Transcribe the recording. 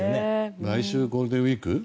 来週ゴールデンウィーク？